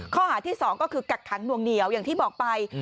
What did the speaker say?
ข้อหาที่๒ก็คือกักขังหน่วงเหนียวอย่างที่บอกไป